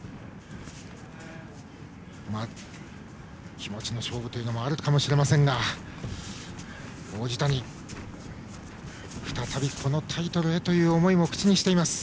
気持ちの勝負というのもあるかもしれませんが王子谷、再びこのタイトルへという思いも口にしています。